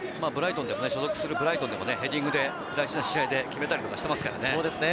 所属するブライトンではヘディングで大事な試合で決めたりしていますからね。